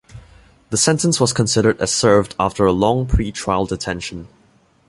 The sentence was considered as served after a long pretrial detention.